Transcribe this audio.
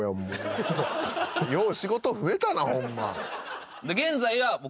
よう仕事増えたなホンマ。